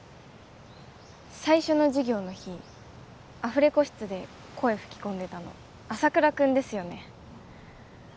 最初の授業の日アフレコ室で声吹き込んでたの朝倉君ですよね？